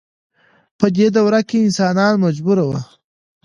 په دې دوره کې انسانان مجبور وو.